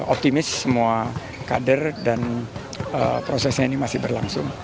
optimis semua kader dan prosesnya ini masih berlangsung